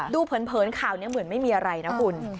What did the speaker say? เผินข่าวนี้เหมือนไม่มีอะไรนะคุณ